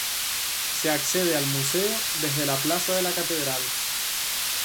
Se accede al Museo desde la plaza de la Catedral.